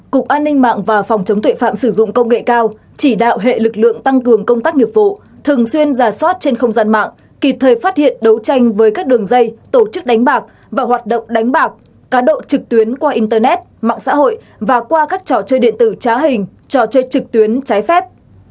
cục an ninh mạng và phòng chống tuệ phạm sử dụng công nghệ cao chỉ đạo hệ lực lượng tăng cường công tác nghiệp vụ thường xuyên giả soát trên không gian mạng kịp thời phát hiện đấu tranh với các đường dây tổ chức đánh bạc và hoạt động đánh bạc cá độ trực tuyến qua internet mạng xã hội và qua các trò chơi điện tử trá hình trò chơi trực tuyến trái phép